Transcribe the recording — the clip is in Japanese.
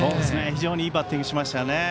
非常にいいバッティングしましたね。